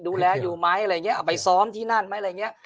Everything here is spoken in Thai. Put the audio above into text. ดูแลอยู่ไหมไปซ้อมที่นั่นไหม